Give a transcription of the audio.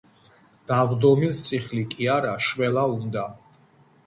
დავრდომილს წიხლი კი არა, შველა უნდა